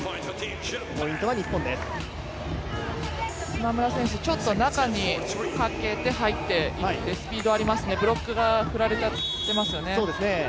島村選手、ちょっと中に駆けて入っていってスピードありますね、ブロックが振られちゃっていますよね。